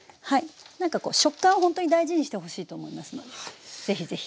何かこう食感をほんとに大事にしてほしいと思いますのでぜひぜひ。